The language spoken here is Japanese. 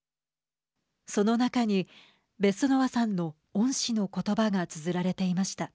その中にベッソノワさんの恩師のことばがつづられていました。